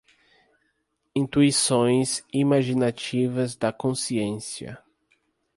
Intuições imaginativas da consciência